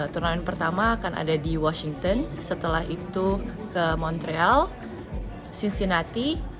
turnamen pertama akan ada di washington setelah itu ke montreal cincinnati cleveland lalu us open